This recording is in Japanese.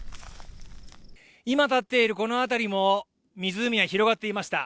今立っているこの辺りも湖が広がっていました